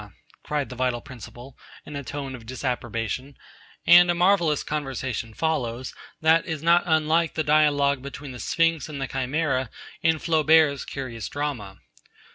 cried the Vital Principle, in a tone of disapprobation, and a marvellous conversation follows, that is not unlike the dialogue between the Sphinx and the Chimera in Flaubert's curious drama.